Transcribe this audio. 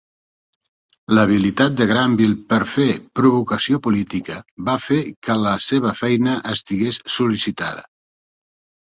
L'habilitat de Grandville per fer provocació política va fer que la seva feina estigués sol·licitada.